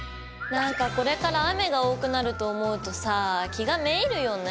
何かこれから雨が多くなると思うとさ気がめいるよね。